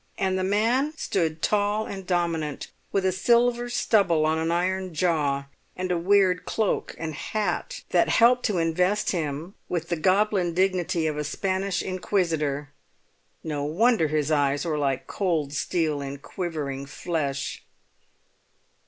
And the man stood tall and dominant, with a silver stubble on an iron jaw, and a weird cloak and hat that helped to invest him with the goblin dignity of a Spanish inquisitor; no wonder his eyes were like cold steel in quivering flesh.